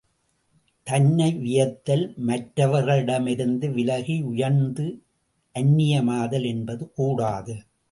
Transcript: தன்னை வியத்தல், மற்றவர்களிடமிருந்து விலகி உயர்ந்து அந்நியமாதல் என்பது கூடாது.